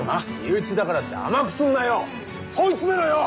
身内だからって甘くすんなよ！問い詰めろよ！